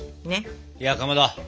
いやかまど！